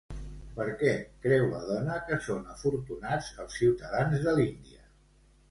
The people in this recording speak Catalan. Per què creu la dona que són afortunats els ciutadans de l'Índia?